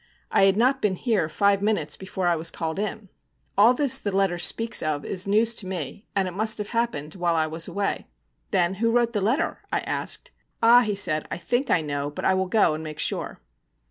I had not been here five minutes before I was called in. All this the letter speaks of is news to me, and must have happened while I was away.' 'Then, who wrote the letter?' I asked. 'Ah!' he said, 'I think I know; but I will go and make sure.'